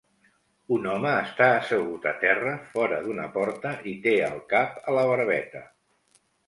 Un home està assegut a terra fora d'una porta i té el cap a la barbeta.